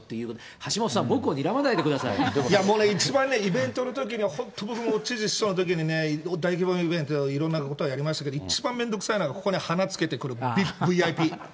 橋下さん、いや、もうね、一番ね、イベントのときに、本当僕も知事、市長のときに、大規模イベント、いろんなことをやりましたけれども、一番めんどくさいのが、ここに花つけてくるＶＩＰ。